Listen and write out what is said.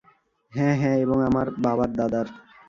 হ্যাঁ হ্যাঁ, এবং আমার বাবার দাদার।